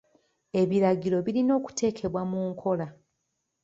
Ebiragiro birina okuteekebwa mu nkola.